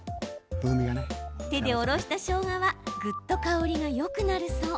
手でおろしたしょうがはぐっと香りがよくなるそう。